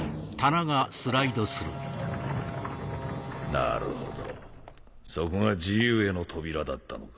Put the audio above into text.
なるほどそこが自由への扉だったのか。